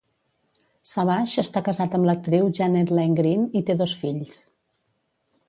Savage està casat amb l'actriu Janet-Laine Green, i té dos fills.